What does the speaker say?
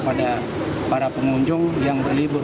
pada para pengunjung yang berlibur